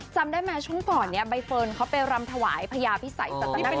จำได้ไหมช่วงก่อนเนี่ยใบเฟิร์นเขาไปรำถวายพญาพิสัยสัตนคร